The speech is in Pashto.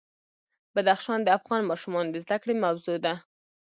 بدخشان د افغان ماشومانو د زده کړې موضوع ده.